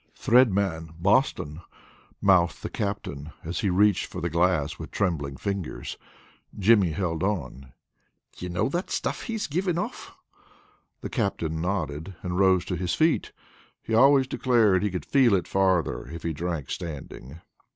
"Thread man, Boston," mouthed the Captain, as he reached for the glass with trembling fingers. Jimmy held on. "Do you know that stuff he's giving off?" The Captain nodded, and rose to his feet. He always declared he could feel it farther if he drank standing.